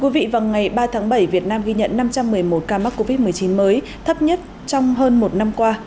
vào ngày ba tháng bảy việt nam ghi nhận năm trăm một mươi một ca mắc covid một mươi chín mới thấp nhất trong hơn một năm qua